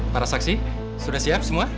para saksi sudah siap semua